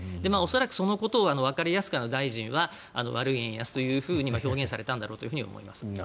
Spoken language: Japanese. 恐らく、そのことをわかりやすく大臣は悪い円安というふうに表現されたんだろうと思いますね。